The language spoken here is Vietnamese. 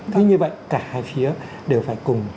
thế như vậy cả hai phía đều phải cùng